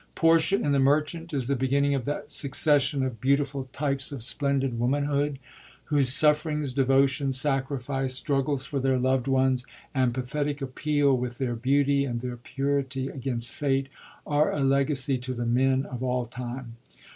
Portia, in the Merchant, is the beginning of that succession of beautiful types of splendid woman hood, whose sufferings, devotion, sacrifice, struggles for their lovd ones, and pathetic appeal with their beauty and their purity against fate, are a legacy to the men of all time.